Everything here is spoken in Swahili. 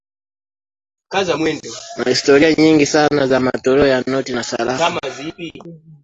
kuna historia nyingi sana za matoleo ya noti na sarafu